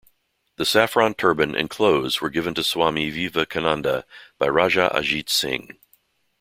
The saffron turban and clothes were given to Swami Vivekananda by Raja Ajit Singh.